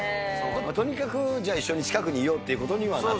とにかくじゃあ、一緒に、近くにいようということにはなった？